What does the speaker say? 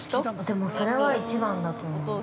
でも、それは一番だと思う。